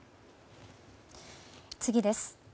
次です。